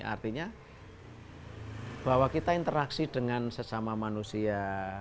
artinya bahwa kita interaksi dengan sesama manusia